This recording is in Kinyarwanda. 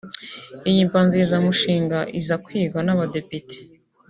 Iyi mbanzirizamushinga iza kwigwa n’abadepite